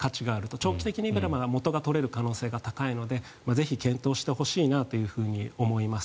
長期的に見たら元が取れる可能性が高いのでぜひ検討してほしいなと思います。